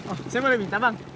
oh saya boleh minta bang